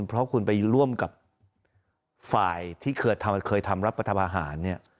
เพราะคุณไปร่วมกับฝ่ายที่เคยทำรับประทานอาหารเนี่ย